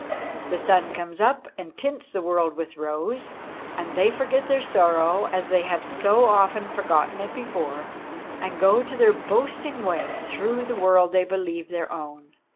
The sun comes up and tints the world with rose, and they forget their sorrow, as they have so often forgotten it before, and go their boasting way through the world they believe their own.